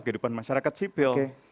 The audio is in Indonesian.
kehidupan masyarakat sipil